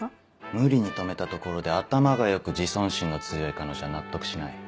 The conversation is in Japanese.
無理に止めたところで頭が良く自尊心の強い彼女は納得しない。